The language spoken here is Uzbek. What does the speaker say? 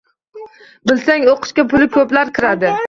Bilsang, o‘qishga puli ko‘plar kiradi.